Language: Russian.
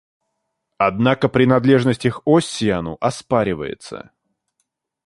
Однако принадлежность их Оссиану оспаривается.